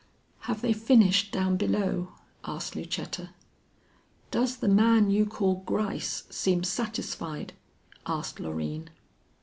"Have they finished down below?" asked Lucetta. "Does the man you call Gryce seem satisfied?" asked Loreen.